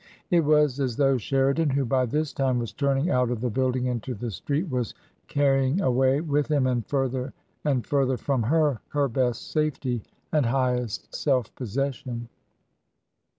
It was as though Sheridan, who by this time was turning out of the building into the street, was carrying away with him and further and further from her her best safety and highest self possession.